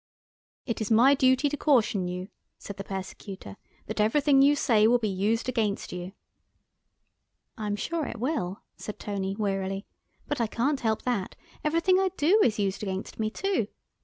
"It is my duty to caution you," said the Persecutor, "that everything you say will be used against you." "I am sure it will," said Tony, wearily, "but I can't help that, everything I do is used against me too.